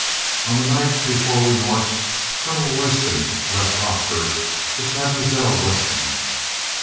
"On the night before we marched Colonel Roy ston left Oxford with Mademoiselle Weston."